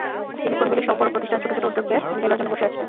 Silicon ভ্যালির সব বড় প্রতিষ্ঠান ছোট ছোট উদ্যোগকে গেলার জন্য বসে আছে।